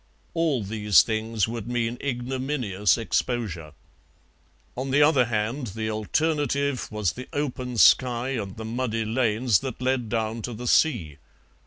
All these things would mean ignominious exposure. On the other hand, the alternative was the open sky and the muddy lanes that led down to the sea.